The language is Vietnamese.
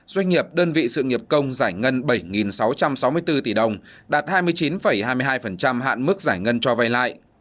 doanh nghiệp đơn vị sự nghiệp công giải ngân bảy sáu trăm sáu mươi bốn tỷ đồng đạt hai mươi chín hai mươi hai hạn mức giải ngân cho vay lại